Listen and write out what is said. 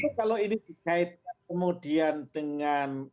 tapi kalau ini dikaitkan kemudian dengan